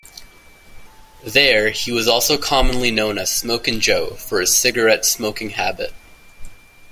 There, he was also commonly known as "Smokin' Jo", for his cigarette smoking habit.